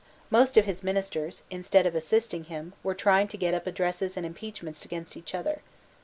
Most of his ministers, instead of assisting him, were trying to get up addresses and impeachments against each other.